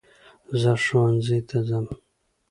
زہ ښوونځي ته ځم